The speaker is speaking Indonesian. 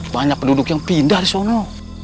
banyak penduduk yang pindah disono